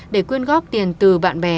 để quyên góp tiền từ bạn bè